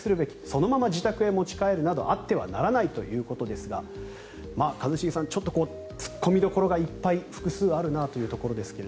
そのまま自宅へ持ち帰るなどあってはならないということですが一茂さん、ちょっと突っ込みどころがいっぱい複数あるなというところですが。